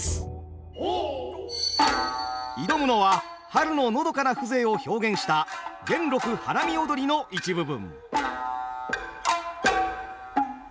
挑むのは春ののどかな風情を表現した「元禄花見踊」の一部分。